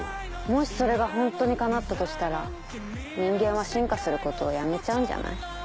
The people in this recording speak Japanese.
もしそれがホントにかなったとしたら人間は進化することをやめちゃうんじゃない？